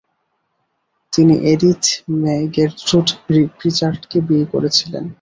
তিনি Edith May Gertrude প্রিচার্ডকে বিয়ে করেছিলেন।